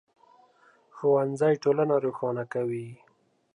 ښوونځی ټولنه روښانه کوي